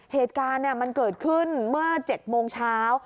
เหตุการณ์มันเกิดขึ้นเมื่อ๗โมงเช้า